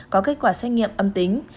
có kết quả xét nghiệm âm tính